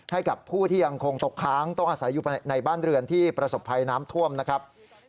ให้กับผู้ที่ยังคงตกค้างต้องอาศัยอยู่ในบ้านเรือนที่ประสบภัยน้ำท่วมนะครับ